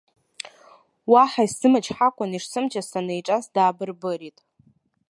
Уаҳа исзымычҳакәан ишсымчыз саниҿас, даабырбырит.